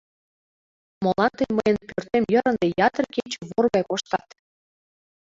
Молан тый мыйын пӧртем йыр ынде ятыр кече вор гай коштат?